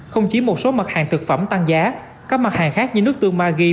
không chỉ một số mặt hàng thực phẩm tăng giá các mặt hàng khác như nước tương ma ghi